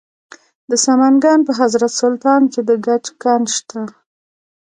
د سمنګان په حضرت سلطان کې د ګچ کان شته.